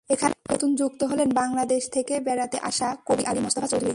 এখানে নতুন যুক্ত হলেন বাংলাদেশ থেকে বেড়াতে আসা কবি আলী মোস্তফা চৌধুরী।